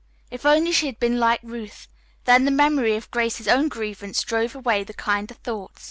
If only she had been like Ruth. Then the memory of Grace's own grievance drove away the kinder thought.